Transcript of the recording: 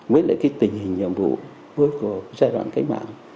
với lại cái tình hình nhiệm vụ với giai đoạn cách mạng